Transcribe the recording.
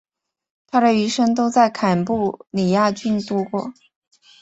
他的余生都在坎布里亚郡度过。